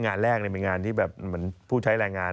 งานแรกเป็นงานที่แบบเหมือนผู้ใช้แรงงาน